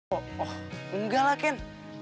oh oh enggak lah ken